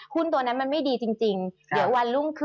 ตัวนั้นมันไม่ดีจริงเดี๋ยววันรุ่งขึ้น